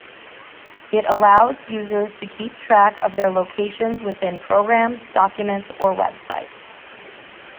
It allows users to keep track of their locations within programs, documents, or websites.